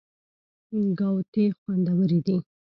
ګاوتې خوندورې دي.